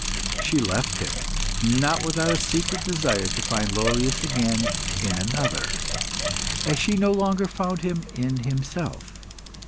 She left him, not without a secret desire to find Lollius again in another, as she no longer found him in himself.